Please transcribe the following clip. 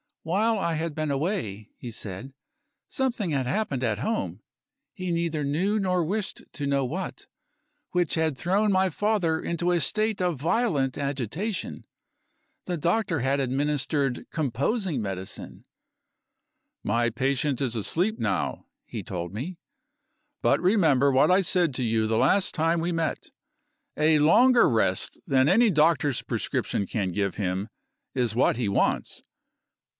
While I had been away (he said), something had happened at home (he neither knew nor wished to know what) which had thrown my father into a state of violent agitation. The doctor had administered composing medicine. "My patient is asleep now," he told me; "but remember what I said to you the last time we met; a longer rest than any doctor's prescription can give him is what he wants.